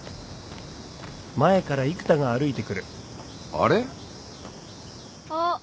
あれ？あっ。